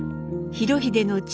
裕英の父